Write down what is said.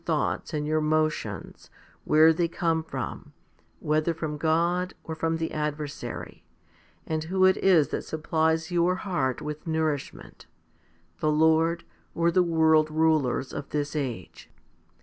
16, 232 FIFTY SPIRITUAL HOMILIES and your motions, where they come from, whether from God or from the adversary, and who it is that supplies your heart with nourishment, the Lord, or the world rulers of this age.